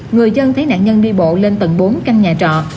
người dân thấy nạn nhân đi bộ lên tầng bốn căn nhà trọ